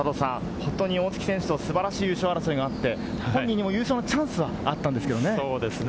本当に大槻選手と素晴らしい優勝争いがあって、優勝のチャンスはあったんですけれどもね。